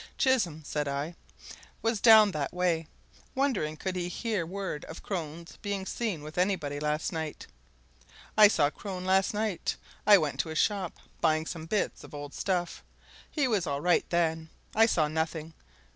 "Chisholm," said I, "was down that way, wondering could he hear word of Crone's being seen with anybody last night. I saw Crone last night. I went to his shop, buying some bits of old stuff. He was all right then I saw nothing.